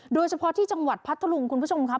โดยเฉพาะที่จังหวัดพัทธลุงคุณผู้ชมครับ